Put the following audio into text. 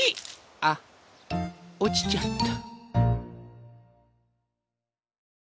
あっおちちゃった。